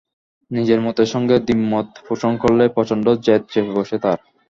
নিজের মতের সঙ্গে দ্বিমত পোষণ করলেই প্রচণ্ড জেদ চেপে বসে তার।